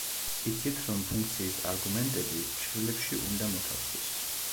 იცით, რომ ფუნქციის არგუმენტები ფრჩხილებში უნდა მოთავსდეს.